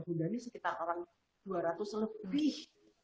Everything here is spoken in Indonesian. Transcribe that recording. bunda ini sekitar orang dua ratus lebih